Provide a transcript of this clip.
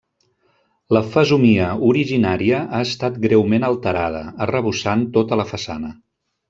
La fesomia originària ha estat greument alterada, arrebossant tota la façana.